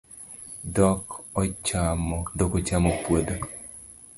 Dhok ochamo puodho